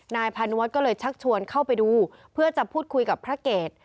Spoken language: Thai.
นายพานุวัฒน์ก็เลยชักชวนเข้าไปดูเพื่อจะพูดคุยกับพระเกต